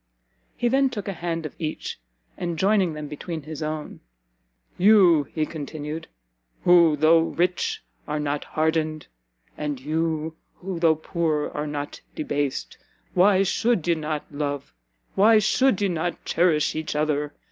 He then took a hand of each, and joining them between his own, "You," he continued, "who, though rich, are not hardened, and you, who though poor, are not debased, why should ye not love, why should ye not cherish each other?